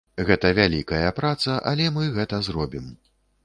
Гэта вялікая праца, але мы гэта зробім.